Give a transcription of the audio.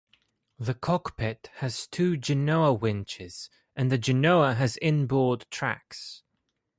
The cockpit has two genoa winches and the genoa has inboard tracks.